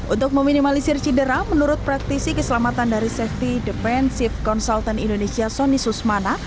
untuk meminimalisir cedera menurut praktisi keselamatan dari safety defensive consultant indonesia sonny susmana